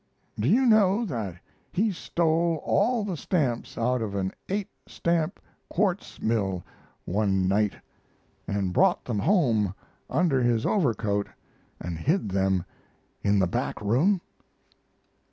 Do you know that he stole all the stamps out of an 8 stamp quartz mill one night, and brought them home under his overcoat and hid them in the back room?